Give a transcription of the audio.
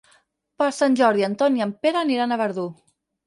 Per Sant Jordi en Ton i en Pere aniran a Verdú.